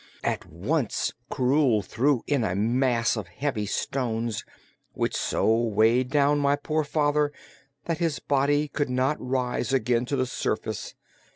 At once Krewl threw in a mass of heavy stones, which so weighted down my poor father that his body could not rise again to the surface.